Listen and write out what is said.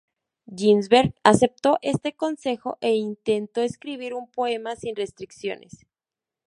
Ginsberg aceptó este consejo e intentó escribir un poema sin restricciones.